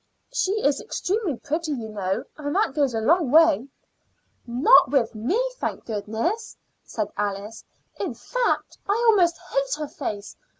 "She is extremely pretty, you know, and that goes a long way." "Not with me, thank goodness!" said Alice. "In fact, I almost hate her face.